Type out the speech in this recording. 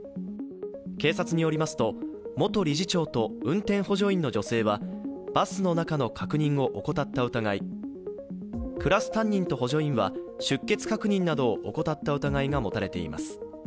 警察によりますと、元理事長と運転補助員の女性はバスの中の確認を怠った疑い、クラス担任と補助員は出欠確認などを怠った疑いもどが持たれています。